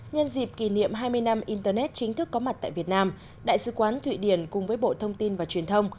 nhân dịp kỷ niệm hai mươi năm internet chính thức có mặt tại việt nam đại sứ quán thụy điển cùng với bộ thông tin và truyền thông